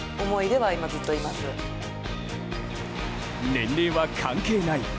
年齢は関係ない。